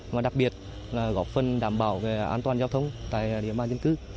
và đặc biệt góp phần đảm bảo về an toàn giao thông tại địa mạng dân cư